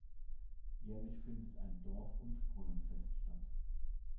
Jährlich findet ein Dorf- und Brunnenfest statt.